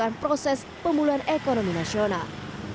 ini adalah proses pemuluhan ekonomi nasional